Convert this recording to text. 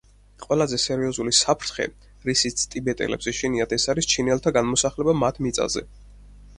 ყველაზე სერიოზული საფრთხე, რისიც ტიბეტელებს ეშინიათ ეს არის ჩინელთა გადმოსახლება მათ მიწაზე.